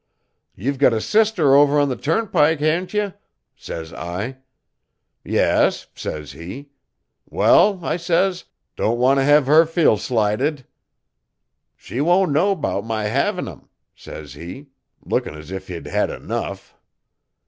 "You've got a sister over on the turnpike hain't ye?" says I. "Yes," says he. "Wall," I says, "don' want a hex her feel slighted." "She won't know 'bout my hevin' 'em," says he, lookin' 's if he'd hed enough.